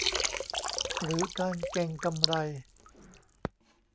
หรือการเก็งกำไร